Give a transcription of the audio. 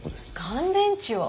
乾電池を。